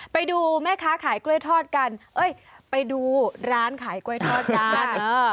ไปดูแม่ค้าขายกล้วยทอดกันเอ้ยไปดูร้านขายกล้วยทอดกัน